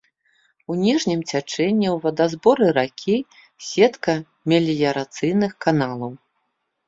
У ніжнім цячэнні ў вадазборы ракі сетка меліярацыйных каналаў.